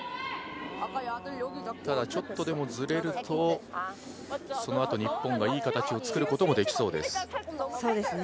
ただ、ちょっとでもずれるとそのあと日本がいい形を作ることもできそうです。